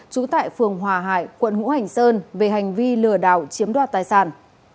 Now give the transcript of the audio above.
trú tại phường hòa hải quận ngũ hành sơn về hành vi lừa đảo chiếm đoạt tài sản